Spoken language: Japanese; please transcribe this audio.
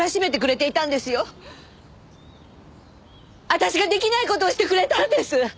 私ができない事をしてくれたんです！